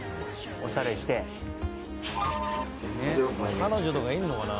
彼女とかいんのかな？